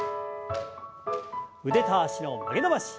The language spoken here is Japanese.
腕と脚の曲げ伸ばし。